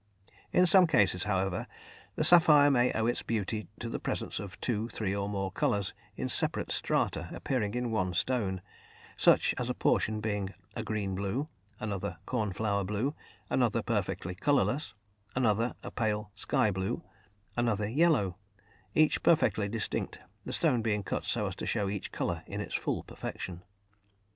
In some cases, however, the sapphire may owe its beauty to the presence of two, three or more colours in separate strata appearing in one stone; such as a portion being a green blue, another a cornflower blue, another perfectly colourless, another a pale sky blue, another yellow, each perfectly distinct, the stone being cut so as to show each colour in its full perfection.